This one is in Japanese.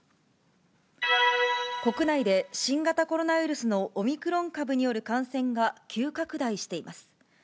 国内で新型コロナウイルスのオミクロン株による感染が急拡大しています。